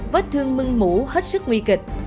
vết thương mưng mũ hết sức nguy kịch